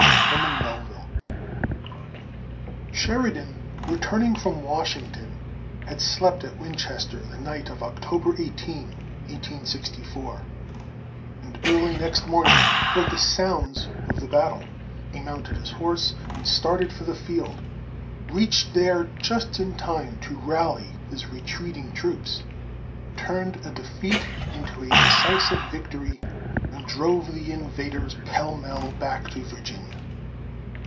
HERMAN MELVILLE. Sheridan, returning from Washington, had slept at Winchester the night of October 18, 1864, and early next morning heard the sounds of the battle. He mounted his horse and started for the field, reached there just in time to rally his retreating troops, turned a defeat into a decisive victory, and drove the invaders pell mell back to Virginia.